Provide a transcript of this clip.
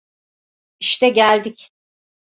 İşte geldik.